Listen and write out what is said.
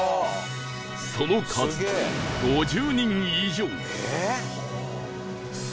その数５０人以上